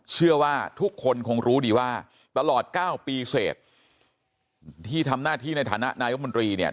เชื่อว่าทุกคนคงรู้ดีว่าตลอด๙ปีเสร็จที่ทำหน้าที่ในฐานะนายกมนตรีเนี่ย